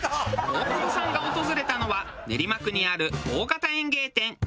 大久保さんが訪れたのは練馬区にある大型園芸店。